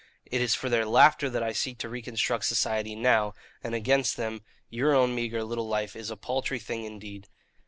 It is for their laughter that I seek to reconstruct society now; and against them your own meagre little life is a paltry thing indeed.